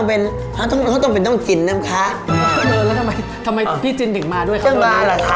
เป็นอย่างคร่าวแต่งเป็นต้องจินน้ำค้า